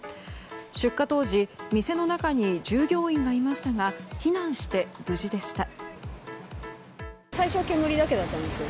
出火当時店の中に従業員がいましたが避難して無事でした。